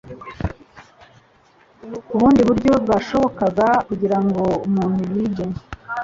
Ubundi buryo bwashobokaga kugira ngo umuntu yige